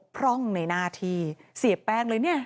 พร้องในหน้าที่เสียแป้งเลย